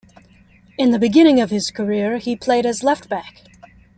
In the beginning of his career, he played as left-back.